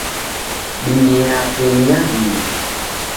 Dini yape ni ya duu.